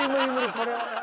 これは。